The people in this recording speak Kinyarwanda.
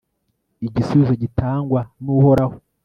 igisubizo gitangwa n'uhoraho